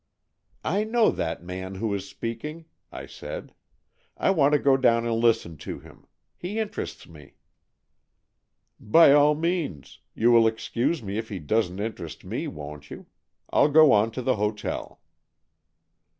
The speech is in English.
'' I know that man who is speaking,'' I said. " I want to go down and listen to him. He interests me." " By all means. You will excuse me if he doesn't interest me, won't you? I'll go on to the hotel."